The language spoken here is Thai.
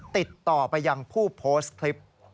ติดต่อไปยังผู้โพสต์คลิป